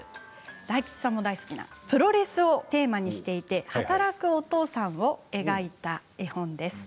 大吉さんも大好きなプロレスをテーマにしていて働くお父さんを描いた絵本です。